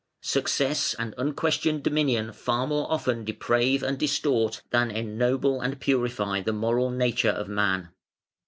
Success and unquestioned dominion far more often deprave and distort than ennoble and purify the moral nature of man.